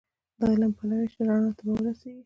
د علم پلوی شه رڼا ته به ورسېږې